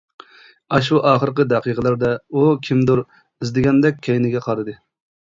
ئاشۇ ئاخىرقى دەقىقىلەردە ئۇ كىمدۇر ئىزدىگەندەك كەينىگە قارىدى.